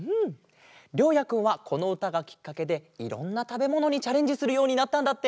りょうやくんはこのうたがきっかけでいろんなたべものにチャレンジするようになったんだって！